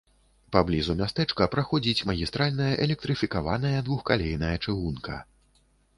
Паблізу мястэчка праходзіць магістральная электрыфікаваная двухкалейная чыгунка.